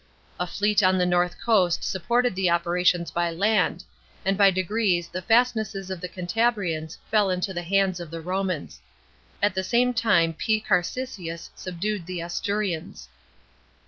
A fleet on the north coast supported the operations by land ; and by degrees the fastnesses of the Cantabrians fell into the hands of the Romans. At the same time P. Garisius subdued the Asturians.